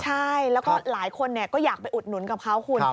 ใช่แล้วก็หลายคนก็อยากไปอุดหนุนกับเขาคุณ